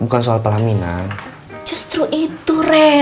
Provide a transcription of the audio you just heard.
kalau jodoh itu